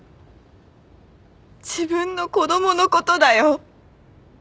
自分の子供のことだよ。